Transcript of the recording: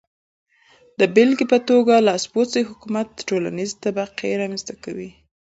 د بېلګې په توګه لاسپوڅي حکومت ټولنیزې طبقې رامنځته کړې.